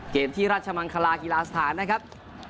เกมที่ราชมังคลากีฬาสถานนะครับ